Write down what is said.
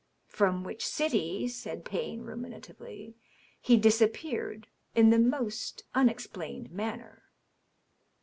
*'" From which city," said Payne, ruminatively, " he disappeared in the most unexplained manner."